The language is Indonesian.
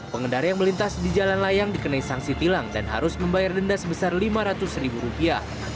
pengendara yang melintas di jalan layang dikenai sanksi tilang dan harus membayar denda sebesar lima ratus ribu rupiah